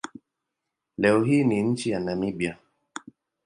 Leo hii ni nchi ya Namibia.